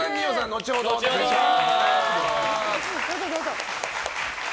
後ほどお願いします！